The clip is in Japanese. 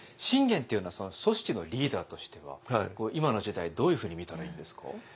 信玄っていうのは組織のリーダーとしては今の時代どういうふうに見たらいいんですか？